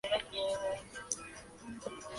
La diócesis está a cargo de un obispo.